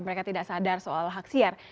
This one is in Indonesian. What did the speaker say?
mereka tidak sadar soal hak siar